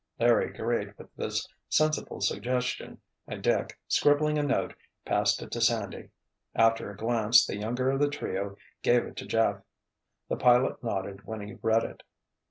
Larry agreed with this sensible suggestion and Dick, scribbling a note, passed it to Sandy. After a glance the younger of the trio gave it to Jeff. The pilot nodded when he read it.